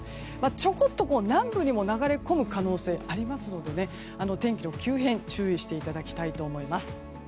ちょこっと南部にも流れ込む可能性がありますので天気の急変に注意していただきたいと思います。